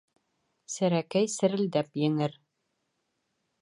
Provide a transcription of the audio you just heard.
Серәкәй серелдәп еңер.